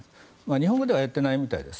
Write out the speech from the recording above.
日本語ではやっていないみたいです。